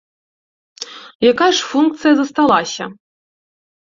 Якая ж функцыя засталася?